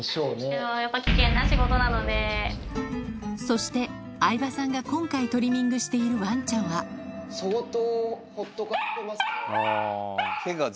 そして相葉さんが今回トリミングしているワンちゃんははい。